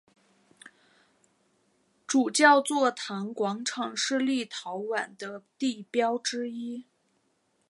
主教座堂广场是立陶宛的地标之一。